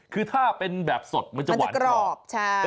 คือถ้าเป็นแบบสดมันจะหวานกรอบ